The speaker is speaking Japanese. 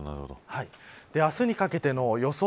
明日にかけての予想